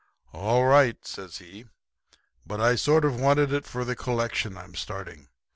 "'All right,' says he. 'But I sort of wanted it for the collection I'm starting.